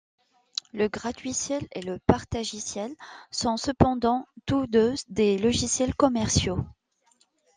Le gratuiciel et le partagiciel sont cependant tous deux des logiciels commerciaux.